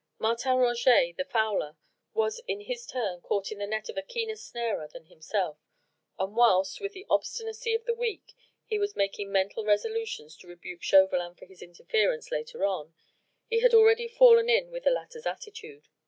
Martin Roget the fowler was in his turn caught in the net of a keener snarer than himself, and whilst with the obstinacy of the weak he was making mental resolutions to rebuke Chauvelin for his interference later on, he had already fallen in with the latter's attitude.